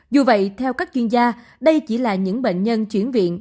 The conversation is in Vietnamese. dù vậy theo các chuyên gia đây chỉ là những bệnh nhân chuyển viện